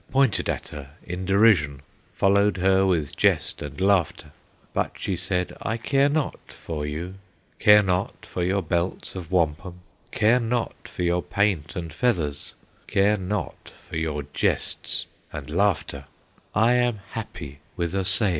Pointed at her in derision, Followed her with jest and laughter. But she said: 'I care not for you, Care not for your belts of wampum, Care not for your paint and feathers, Care not for your jests and laughter; I am happy with Osseo!